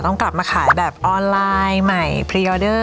ต้องกลับมาขายแบบออนไลน์ใหม่พรีออเดอร์